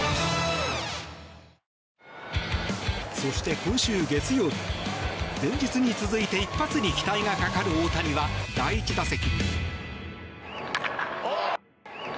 そして今週月曜日前日に続いて一発に期待がかかる大谷は第１打席。